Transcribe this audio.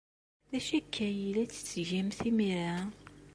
D acu akka ay la tettgemt imir-a?